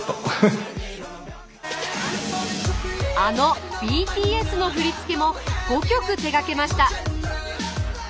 あのＢＴＳの振り付けも５曲手がけました。